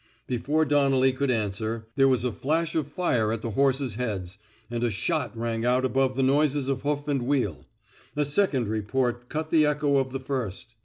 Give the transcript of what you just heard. '* Before Donnelly could answer, there was a flash of fire at the horses' heads, and a shot rang out above the noises of hoof and wheel. A second report cut the echo of the first.